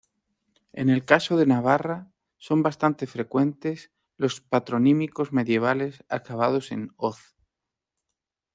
En el caso de Navarra son bastante frecuentes los patronímicos medievales acabados en "-oz".